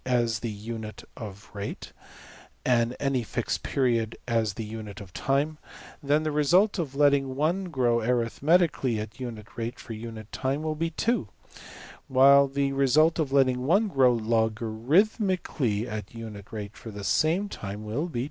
\ as the unit of rate, and any fixed period as the unit of time, then the result of letting $1$ grow \emph{arithmetically} at unit rate, for unit time, will be~$2$, while the result of letting $1$ grow \emph{logarithmically} at unit rate, for the same time, will be $2.